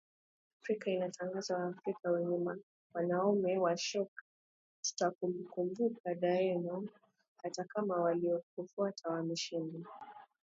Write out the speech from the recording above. Afrika itaandikwa na Waafrika wenyewe Mwanaume wa shoka Tutakukumbuka daima hata kama waliokufuata wameshindwa